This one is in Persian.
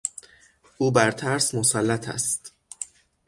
او بر ترس مسلط است.